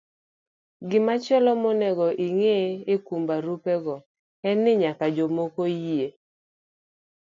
Gimachielo monego ing'e kuom barupego en ni nyaka jok moko yie